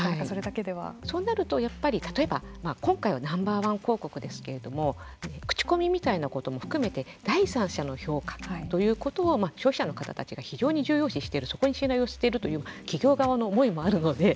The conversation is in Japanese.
そうなると、例えば今回はＮｏ．１広告ですけれども口コミみたいなことも含めて第三者の評価ということを消費者の方たちが非常に重要視しているそこに信頼をしているという企業側の思いもあるので。